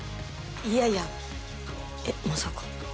いやいやえっまさか。